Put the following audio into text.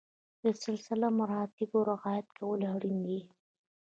د سلسله مراتبو رعایت کول اړین دي.